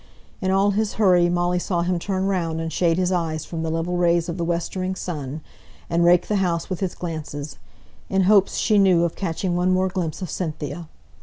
In all his hurry, Molly saw him turn round and shade his eyes from the level rays of the westering sun, and rake the house with his glances in hopes, she knew, of catching one more glimpse of Cynthia.